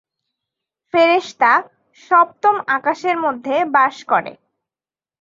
ফেরেশতা সপ্তম আকাশের মধ্যে বাস করে।